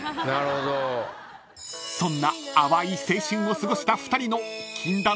［そんな淡い青春を過ごした２人の］